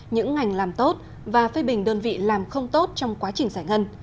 những ngành làm tốt và phê bình đơn vị làm không tốt trong quá trình giải ngân